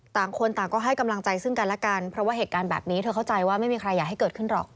ต่างคนต่างก็ให้กำลังใจซึ่งกันและกันเพราะว่าเหตุการณ์แบบนี้เธอเข้าใจว่าไม่มีใครอยากให้เกิดขึ้นหรอก